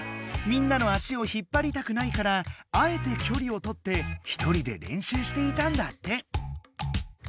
みんなの足を引っぱりたくないからあえてきょりをとってひとりで練習していたんだって。